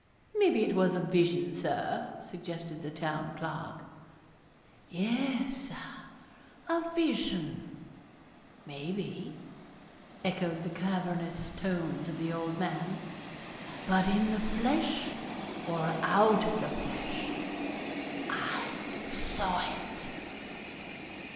'Maybe it was a vision, Sir,' suggested the Town Clerk. 'Yes, Sir; a vision, maybe,' echoed the cavernous tones of the old man; 'but in the flesh or out of the flesh, I saw it.'